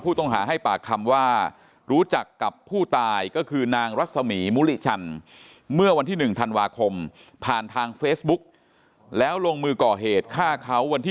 ผู้ต้องหาให้ปากคำว่ารู้จักกับผู้ตายก็คือนางรักษมีมุริชันเมื่อวันที่๑ธันวาคมผ่านทางเฟสบุ๊ค